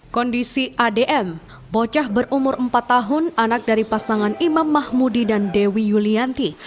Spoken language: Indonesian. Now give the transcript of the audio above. kondisi adm bocah berumur empat tahun anak dari pasangan imam mahmudi dan dewi yulianti